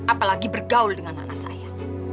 apalagi bergaul dengan anak saya